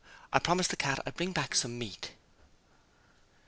I promised the cat that I'd bring him back some meat.'